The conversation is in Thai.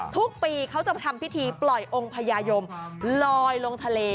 ทุกปีเขาจะทำพิธีปล่อยองค์พญายมลอยลงทะเล